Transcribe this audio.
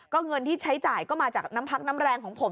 ก็เงินที่ใช้จ่ายก็มาจากน้ำพักน้ำแรงของผม